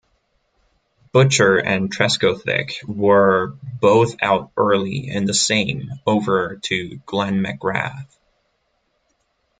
Butcher and Trescothick were both out early in the same over to Glenn McGrath.